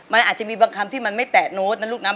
มันอาจจะมีบางคำที่มันไม่แตะโน้ตนะลูกนะ